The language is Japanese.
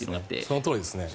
そのとおりです。